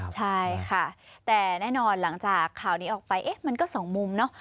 ใช่ค่ะแต่แน่นอนหลังจากข่าวนี้ออกไปเอ๊ะมันก็สองมุมเนอะ